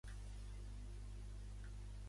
Qui no la fa de pollí, la fa de rossí.